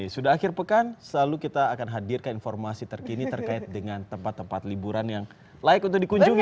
sudah akhir pekan selalu kita akan hadirkan informasi terkini terkait dengan tempat tempat liburan yang layak untuk dikunjungi